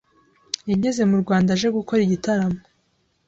yageze mu Rwanda aje gukora igitaramo